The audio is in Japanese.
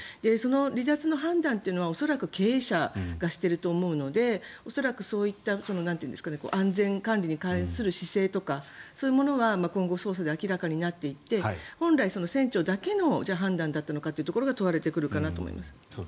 離脱の判断というのは恐らく経営者がしていると思うので恐らくそういった安全管理に関する姿勢とかそういうものが今後、捜査で明らかになっていって本来、船長だけの判断だったのかというところが問われてくるかなと思います。